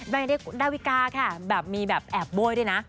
ดังนั้นดีกูนดาวิกาคะแบบมีแบบแอบบ่อยด้วยนะ